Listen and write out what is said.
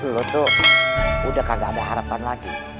lo tuh udah kagak ada harapan lagi